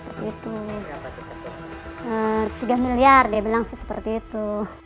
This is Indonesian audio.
tiga miliar dia bilang sih seperti itu